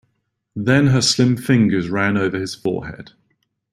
Then her slim fingers ran over his forehead.